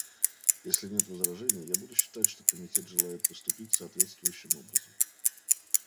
Если нет возражений, я буду считать, что Комитет желает поступить соответствующим образом.